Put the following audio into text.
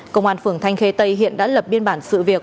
công an phường thanh khê tây hiện đã lập biên bản sự việc